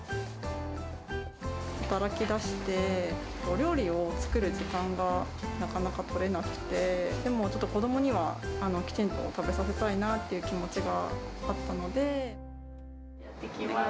働きだして、お料理を作る時間がなかなか取れなくて、でもちょっと子どもには、きちんと食べさせたいなという気持ちがあったので。